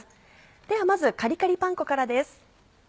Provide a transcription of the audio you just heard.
ではまずカリカリパン粉からです。